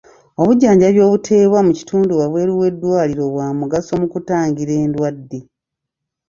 Obujjanjabi obuteebwa mu kitundu waabweru w'eddwaliro bwa mugaso mu kutangira endwadde.